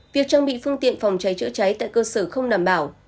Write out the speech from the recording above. việc trang bị phương tiện phòng cháy chữa cháy tại cơ sở không đảm bảo